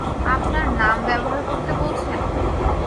আপনার নাম ব্যবহার করতে বলছেন?